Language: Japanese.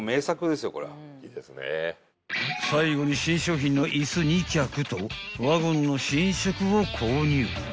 ［最後に新商品の椅子２脚とワゴンの新色を購入］